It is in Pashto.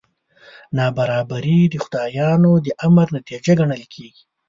نابرابري د خدایانو د امر نتیجه ګڼل کېږي.